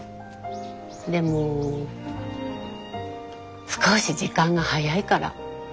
でも少し時間が早いから。